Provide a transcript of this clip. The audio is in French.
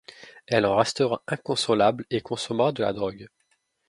Elle en restera inconsolable et consommera de la drogue.